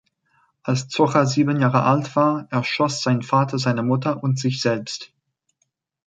Als Zocha sieben Jahre alt war, erschoss sein Vater seine Mutter und sich selbst.